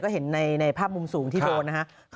ก็เจอฮิโรนด้วยไปซุกอยู่อีก๕อีก